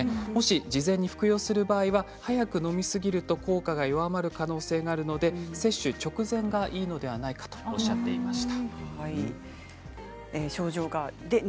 事前に服用する場合は早くのみすぎると効果が弱まるので接種直前がいいのではないかとおっしゃっていました。